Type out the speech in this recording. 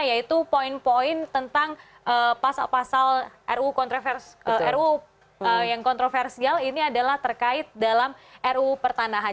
yaitu poin poin tentang pasal pasal ruu yang kontroversial ini adalah terkait dalam ru pertanahan